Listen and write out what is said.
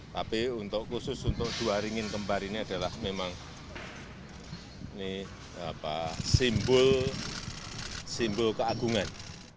tapi untuk khusus untuk dua ringin kembar ini adalah memang simbol keagungan